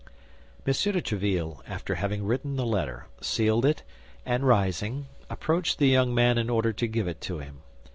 M. de Tréville, after having written the letter, sealed it, and rising, approached the young man in order to give it to him.